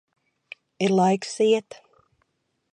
Ir laiks iet.